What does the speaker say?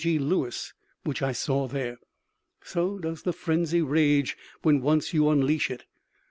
G. Lewis, which I saw there. So does the frenzy rage when once you unleash it.